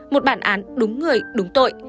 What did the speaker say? một bản án đúng người đúng tội